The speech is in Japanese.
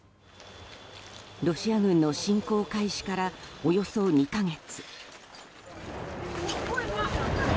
ロシア軍の侵攻開始からおよそ２か月。